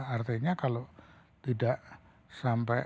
artinya kalau tidak sampai